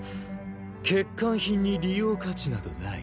欠陥品に利用価値などない。